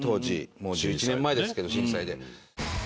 もう１１年前ですけど震災で。